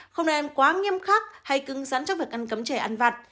không nên quá nghiêm khắc hay cứng rắn trong việc ăn cấm trẻ ăn vặt